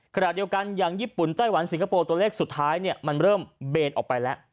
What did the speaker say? ขณะเดียวกันอย่างญี่ปุ่นไต้หวันสิงคโปร์ตัวเลขสุดท้ายมันเริ่มเบนออกไปแล้ว